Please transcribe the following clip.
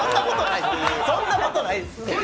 そんなことないです。